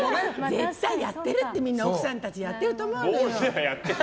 絶対やってるって奥さんたち、やってると思うよ。